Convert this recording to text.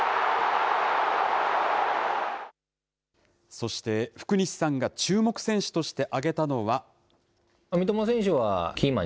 そして、福西さんが注目選手として挙げたのは。